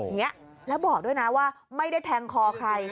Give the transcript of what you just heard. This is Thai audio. อย่างนี้แล้วบอกด้วยนะว่าไม่ได้แทงคอใคร